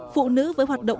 phụ nữ với hoạt động